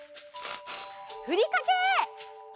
ふりかけ！